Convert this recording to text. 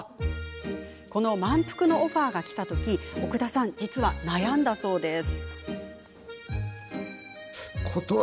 この「まんぷく」のオファーがきた時奥田さん、実は悩んだそうです。